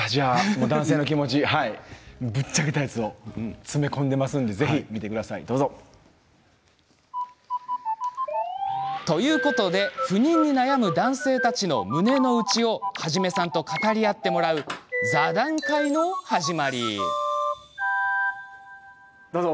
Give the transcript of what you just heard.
男性の気持ちぶっちゃけたやつを詰め込んでいますのでぜひ見てください。ということで不妊に悩む男性たちの胸の内をハジメさんと語り合ってもらう座談会の始まり。